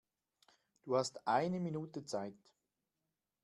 Du hast eine Minute Zeit.